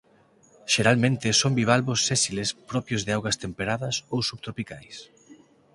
Xeralmente son bivalvos sésiles propios de augas temperadas ou subtropicais.